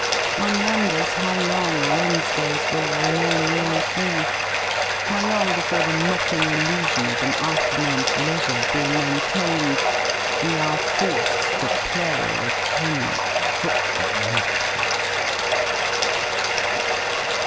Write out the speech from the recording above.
One wonders how long Wednesdays will remain really free; how long before the mocking illusion of an afternoon's leisure being maintained, we are forced to play or attend football matches.